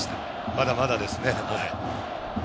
まだまだですね。